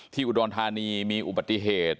อุดรธานีมีอุบัติเหตุ